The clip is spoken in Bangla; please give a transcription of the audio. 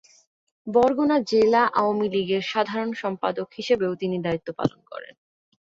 বরগুনা জেলা আওয়ামী লীগের সাধারণ সম্পাদক হিসেবেও তিনি দায়িত্ব পালন করেন।